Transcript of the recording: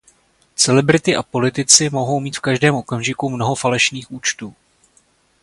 Celebrity a politici mohou mít v každém okamžiku mnoho falešných účtů.